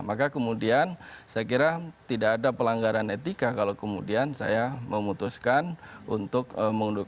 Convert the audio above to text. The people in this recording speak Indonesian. maka kemudian saya kira tidak ada pelanggaran etika kalau kemudian saya memutuskan untuk mengundurkan